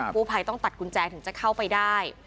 ผู้ภัยต้องตัดกุญแจถึงจะเข้าไปได้